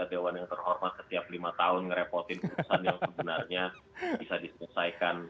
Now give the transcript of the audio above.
dewan yang terhormat setiap lima tahun ngerepotin keputusan yang sebenarnya bisa diselesaikan